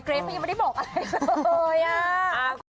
ยังไม่ได้บอกอะไร